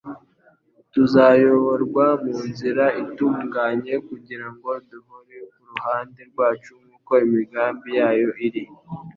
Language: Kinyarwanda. tuzayoborwa mu nzira itunganye kugira ngo duhore kuruhande rwacu nk’uko imigambi yayo iri.